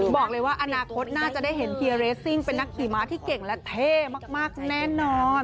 บอกเลยว่าอนาคตน่าจะได้เห็นเฮียเรสซิ่งเป็นนักขี่ม้าที่เก่งและเท่มากแน่นอน